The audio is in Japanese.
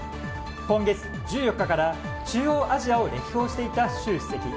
今月１４日から中央アジアを歴訪していた習主席。